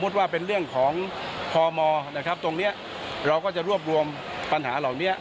ตรงนี้เราก็จะรวบรวมปัญหาเหล่านี้